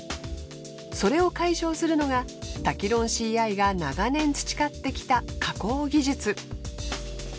それを解消するのがタキロンシーアイが長年培ってきた加工技術。